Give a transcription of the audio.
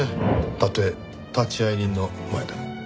たとえ立会人の前でも。